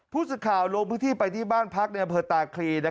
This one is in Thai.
พูดสิทธิ์ข่าวโลงพฤติไปที่บ้านภักดิ์พิฤดาคลีนะครับ